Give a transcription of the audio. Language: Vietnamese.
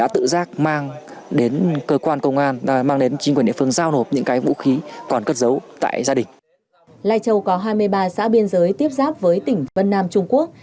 lai châu có hai mươi ba xã biên giới tiếp giáp với tỉnh vân nam trung quốc